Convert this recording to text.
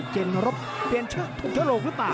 เจนรบเปลี่ยนทุกฉลกหรือเปล่า